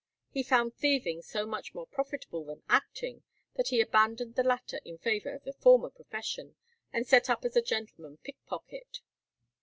He found thieving so much more profitable than acting that he abandoned the latter in favour of the former profession, and set up as a gentleman pickpocket.